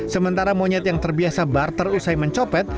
sementara monyet yang terbiasa barter usai mencopet